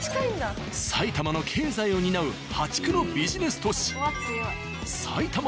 埼玉の経済を担う破竹のビジネス都市